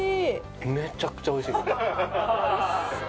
めちゃくちゃおいしい！